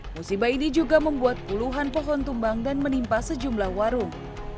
musibah ini juga membuat puluhan pohon tumbang dan menimpa sejumlah warung